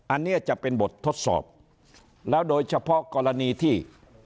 อันนี้จะเป็นบททดสอบแล้วโดยเฉพาะกรณีที่